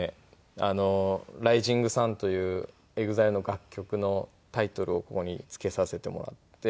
『ＲｉｓｉｎｇＳｕｎ』というＥＸＩＬＥの楽曲のタイトルをここにつけさせてもらって。